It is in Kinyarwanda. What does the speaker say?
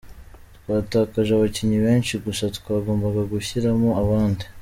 Twatakaje abakinnyi benshi gusa twagombaga gushyiramo abandi.